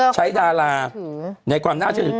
ใช้ดาราในในความน่าชื่อ